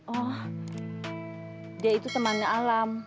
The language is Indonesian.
oh dia itu temannya alam